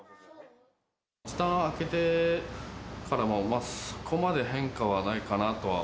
時短明けてからもそこまで変化はないかなとは。